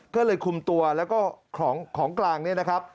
ก็เลยคุมตัวแล้วก็ของกลางเนี่ยนะครับ